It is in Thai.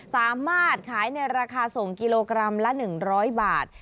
สามารถขายในราคาส่งกิโลกรัมละ๑๐๐บาท